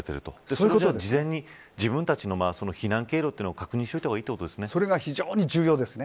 そういうことを事前に、自分たちの避難経路を確認していたほうがいいということですね。